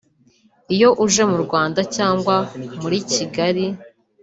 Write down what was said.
Iyo uje mu Rwanda cyangwa muri Kigali